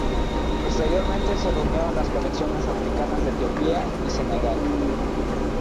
Posteriormente se reunieron las colecciones africanas de Etiopía y Senegal.